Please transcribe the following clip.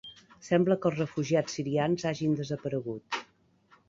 Sembla que els refugiats sirians hagin desaparegut.